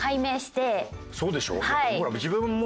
そうでしょ？